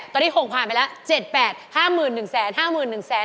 ตอนนี้๖ผ่านไปแล้ว๗๘